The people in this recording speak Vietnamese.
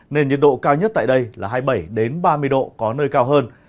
nền nhiệt độ cao nhất tại đây là hai mươi bảy ba mươi độ có nơi cao hơn